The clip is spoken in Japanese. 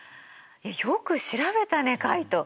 よく調べたねカイト。